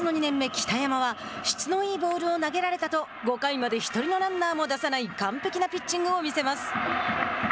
北山は質のいいボールを投げられたと５回まで１人のランナーも出さない完璧なピッチングを見せます。